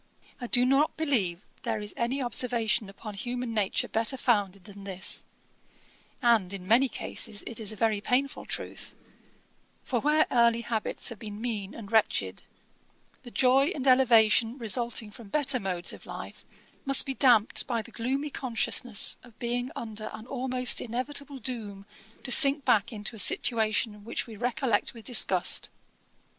I do not believe there is any observation upon human nature better founded than this; and, in many cases, it is a very painful truth; for where early habits have been mean and wretched, the joy and elevation resulting from better modes of life must be damped by the gloomy consciousness of being under an almost inevitable doom to sink back into a situation which we recollect with disgust.